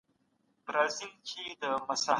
بادام او چارمغز حافظه قوي کوي.